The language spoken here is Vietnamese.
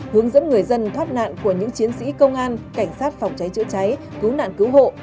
hướng dẫn người dân thoát nạn của những chiến sĩ công an cảnh sát phòng cháy chữa cháy cứu nạn cứu hộ